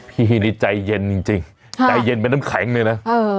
พี่นี่ใจเย็นจริงใจเย็นเป็นน้ำแข็งเลยนะ